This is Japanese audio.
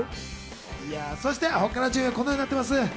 そして他の順位は、このようになっています。